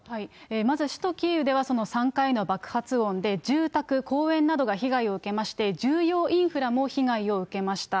まず首都キーウではその３回の爆発音で、住宅、公園などが被害を受けまして、重要インフラも被害を受けました。